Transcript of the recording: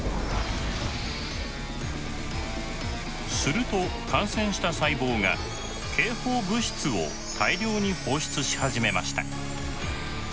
すると感染した細胞が警報物質を大量に放出し始めました。